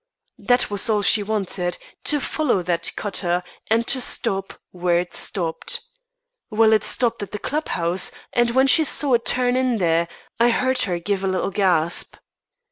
That was all she wanted to follow that cutter, and to stop where it stopped. Well, it stopped at the club house; and when she saw it turn in there, I heard her give a little gasp.